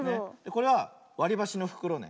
これはわりばしのふくろね。